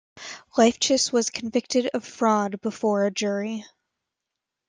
Lifchus was convicted of fraud before a jury.